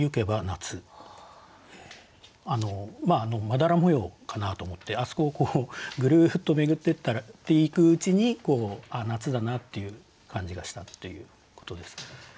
まだら模様かなと思ってあそこをぐるっと巡っていくうちにああ夏だなっていう感じがしたっていうことです。